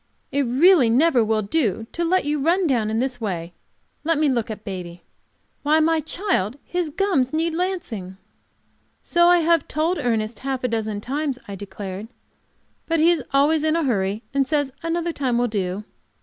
"It really never will do to let you run down in this way. Let me look at baby. Why, my child, his gums need lancing." "So I have told Ernest half a dozen times," I declared. "But he is always in a hurry, and says another time will do."